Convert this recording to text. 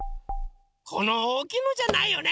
このおおきいのじゃないよね。